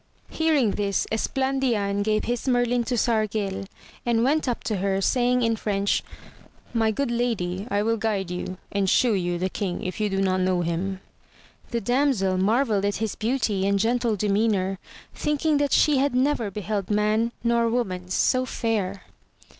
Hearing this, Esplandian gave his merlin to Sargil, and went up to her, saying in French, my good lady, I will guide you, and shew you the king, if you do not know him. The damsel marvelled at his beauty and gentle demeanour, thinking that she had never beheld man nor woman so fair.